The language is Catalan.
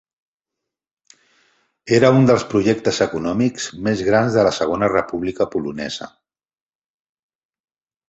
Era un dels projectes econòmics més grans de la Segona República Polonesa.